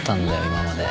今まで。